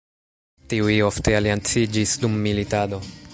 Tiuj ofte alianciĝis dum militado.